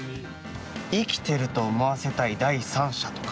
生きてると思わせたい第三者とか？